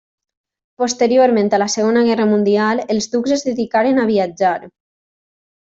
Posteriorment a la Segona Guerra Mundial els ducs es dedicaren a viatjar.